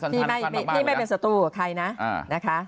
พี่ไม่เป็นสตูกับใครนะ